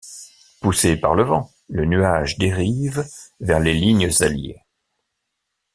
Poussé par le vent, le nuage dérive vers les lignes alliées.